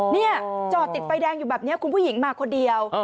นี่จอดติดไฟแดงอยู่แบบนี้คุณผู้หญิงมาคนเดียว